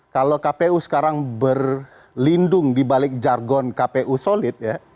kalau kpu sekarang berlindung dibalik jargon kpu solid ya